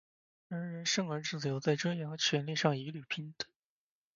人人生而自由，在尊严和权利上一律平等。